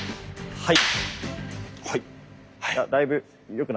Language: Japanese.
はい。